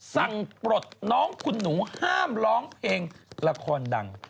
สั่งปฎน้องคุณหนูห้ามร้องเพลงดรรคอนดัง